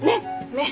ねっ！